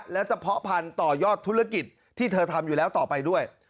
และจะเพาะพันธุ์ต่อยอดธุรกิจที่เธอทำอยู่แล้วต่อไปด้วย